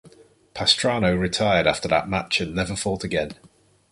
Pastrano retired after that match and never fought again.